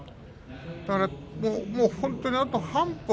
だからもう本当に、あと半歩。